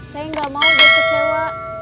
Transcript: saya nggak mau dia kecewa